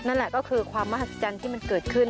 นั่นแหละก็คือความมหัศจรรย์ที่มันเกิดขึ้น